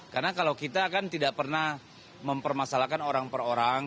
karena kalau kita kan tidak pernah mempermasalahkan orang per orang